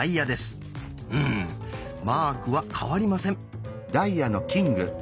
うんマークは変わりません。